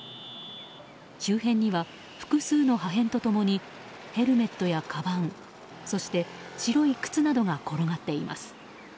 周辺には複数の破片と共にヘルメットやかばん、そして白い靴などが転がっています。